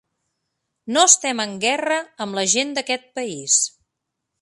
No estem en guerra amb la gent d'aquest país.